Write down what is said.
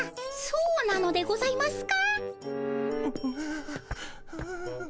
そうなのでございますか？